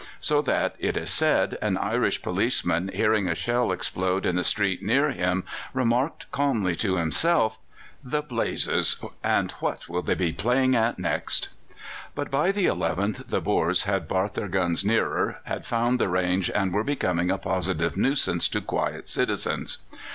So that, it is said, an Irish policeman, hearing a shell explode in the street near him, remarked calmly to himself: "The blazes! and what will they be playing at next?" But by the 11th the Boers had brought their guns nearer, had found the range, and were becoming a positive nuisance to quiet citizens.